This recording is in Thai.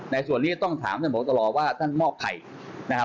ในส่วนนี้จะต้องถามท่านพบตรว่าท่านมอบใครนะครับ